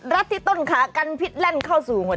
ที่ต้นขากันพิษแล่นเข้าสู่หัวใจ